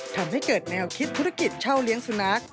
ทำให้เกิดแนวคิดธุรกิจเช่าเลี้ยงสุนัข